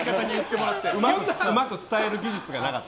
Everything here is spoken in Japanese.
うまく伝える技術がなかった。